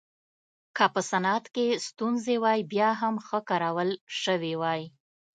که په صنعت کې ستونزې وای بیا هم ښه کارول شوې وای.